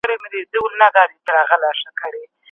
موږ به په ګډه د خپل هېواد بیرغ لوړ کړو.